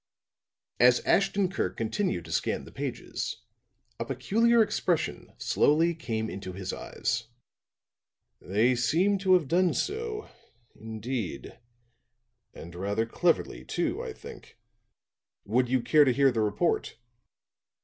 As Ashton Kirk continued to scan the pages, a peculiar expression slowly came into his eyes. "They seem to have done so, indeed. And rather cleverly, too, I think. Would you care to hear the report?"